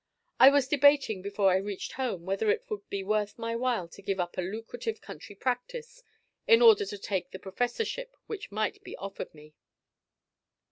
I was debating before I reached home whether it would be worth my while to give up a lucrative country practice in order to take the Professorship which might be offered me.